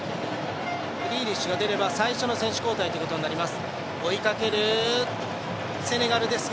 グリーリッシュが出れば最初の選手交代ということになります。